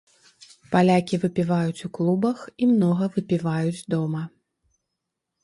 Палякі выпіваюць у клубах і многа выпіваюць дома.